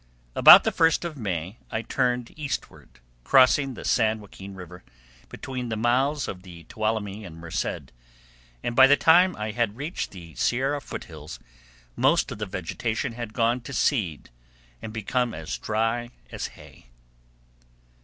About the first of May I turned eastward, crossing the San Joaquin River between the mouths of the Tuolumne and Merced, and by the time I had reached the Sierra foot hills most of the vegetation had gone to seed and become as dry as hay.